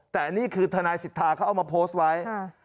แต่อันนี้คือธนายศิษฐาเขาเอามาโพสต์ไว้